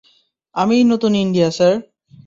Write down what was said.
আমিই নতুন India, sir.